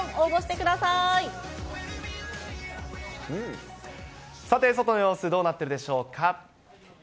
さて、外の様子、どうなっているでしょうか。